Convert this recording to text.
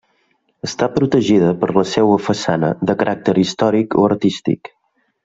Està protegida per la seua façana de caràcter històric o artístic.